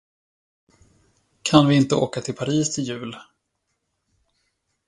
Kan vi inte åka till Paris till jul?